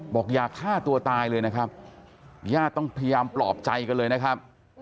อยากฆ่าตัวตายเลยนะครับญาติต้องพยายามปลอบใจกันเลยนะครับ